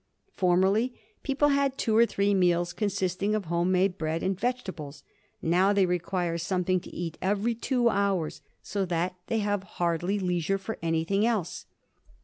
Formerly, people had two or three meals consisting of homemade bread and vegetables; now, they require something to eat every two hours, so that they have hardly leisure for anything else.